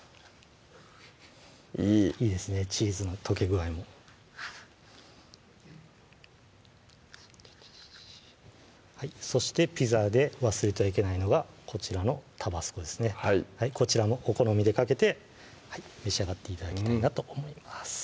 いいいいですねチーズの溶け具合もそしてピザで忘れてはいけないのがこちらのタバスコですねはいこちらもお好みでかけて召し上がって頂きたいなと思います